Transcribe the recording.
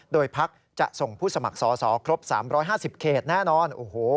โดยพักจะส่งผู้สมัครสอสอครบ๓๕๐เขตแน่นอน